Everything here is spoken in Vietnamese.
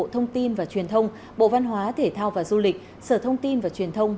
thông tin và truyền thông bộ văn hóa thể thao và du lịch sở thông tin và truyền thông